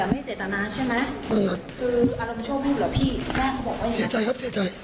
ไม่ตั้งใจครับ